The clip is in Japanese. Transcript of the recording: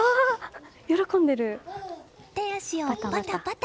手足をパタパタ。